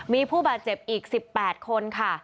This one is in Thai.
มีผู้บาดเจ็บอีก๑๘คนค่ะ